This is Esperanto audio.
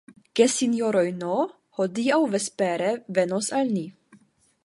Gesinjoroj N. hodiaŭ vespere venos al ni.